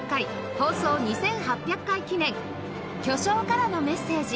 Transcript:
放送２８００回記念「巨匠からの伝達」